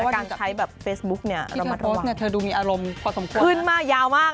การใช้แบบเฟซบุ๊กนี่เรามาระวัง